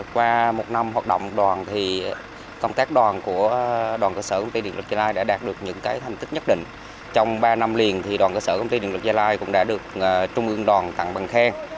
qua một năm hoạt động đoàn thì công tác đoàn của đoàn cơ sở công ty điện lực gia lai đã đạt được những thành tích nhất định trong ba năm liền thì đoàn cơ sở công ty điện lực gia lai cũng đã được trung ương đoàn tặng bằng khen